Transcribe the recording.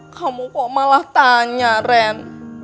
kamu kok malah tanya ren